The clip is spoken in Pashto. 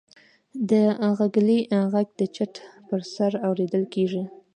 د ږلۍ غږ د چت پر سر اورېدل کېږي.